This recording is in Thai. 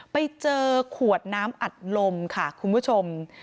ไปเจอขวดน้ำอัดลมค่ะคุณผู้ชม